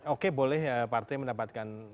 oke boleh partai mendapatkan